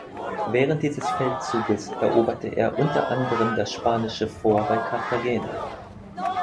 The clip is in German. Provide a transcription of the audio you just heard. Während dieses Feldzuges eroberte er unter anderem das spanische Fort bei Cartagena.